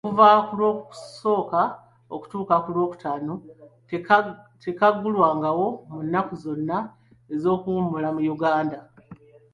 Okuva ku Lwokusooka okutuuka ku Lwokutaano, tekaggulwawo ku nnaku zonna ez'okuwummula mu Uganda.